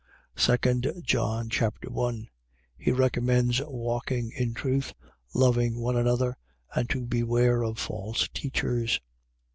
2 John Chapter 1 He recommends walking in truth, loving one another and to beware of false teachers.